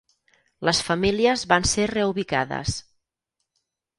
Les famílies van ser reubicades.